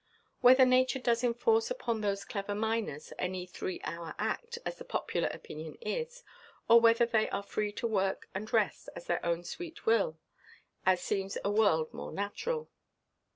Whether nature does enforce upon those clever miners any Three Hour Act, as the popular opinion is; or whether they are free to work and rest, at their own sweet will, as seems a world more natural.